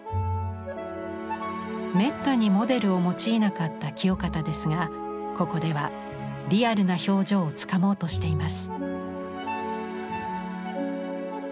めったにモデルを用いなかった清方ですがここではリアルな表情をつかもうとしています。